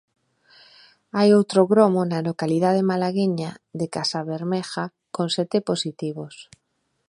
Hai outro gromo na localidade malagueña de Casabermeja con sete positivos.